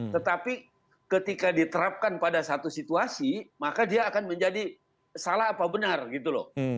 tetapi ketika diterapkan pada satu situasi maka dia akan menjadi salah apa benar gitu loh